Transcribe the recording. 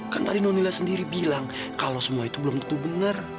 kan tadi nonila sendiri bilang kalau semua itu belum tentu benar